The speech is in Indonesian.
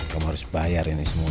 kamu harus bayarin semua